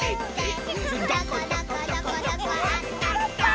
「どこどこどこどこあったった」